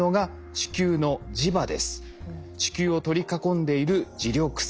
地球を取り囲んでいる磁力線。